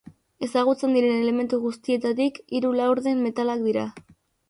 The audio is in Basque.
Ezagutzen diren elementu guztietatik, hiru laurden metalak dira.